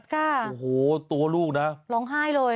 ค่ะโอ้โหตัวลูกนะร้องไห้เลย